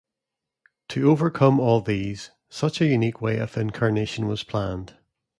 To overcome all these, such a unique way of Incarnation was planned.